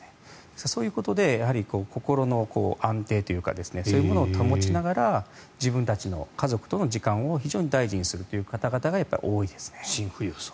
そういうことで心の安定というかそういうものを保ちながら自分たちの家族との時間を非常に大事にするという方々がシン富裕層。